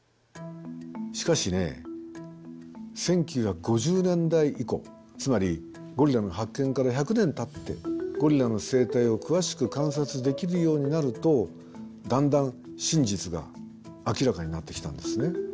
しかしね１９５０年代以降つまりゴリラの発見から１００年たってゴリラの生態を詳しく観察できるようになるとだんだん真実が明らかになってきたんですね。